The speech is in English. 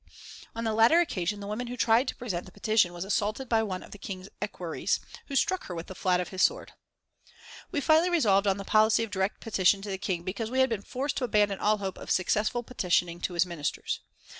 On the latter occasion the woman who tried to present the petition was assaulted by one of the King's equerries, who struck her with the flat of his sword. We finally resolved on the policy of direct petition to the king because we had been forced to abandon all hope of successful petitioning to his Ministers.